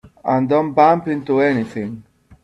And don't bump into anything.